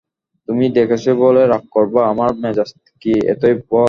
তুমি ডেকেছ বলে রাগ করব, আমার মেজাজ কি এতই বদ।